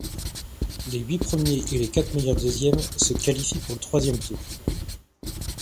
Les huit premiers et les quatre meilleurs deuxièmes se qualifient pour le troisième tour.